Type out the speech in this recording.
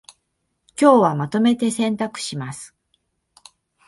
今日はまとめて洗濯します